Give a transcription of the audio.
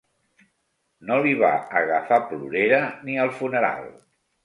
No li va agafar plorera ni al funeral.